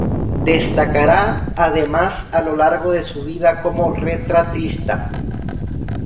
Destacará además a lo largo de su vida como retratista.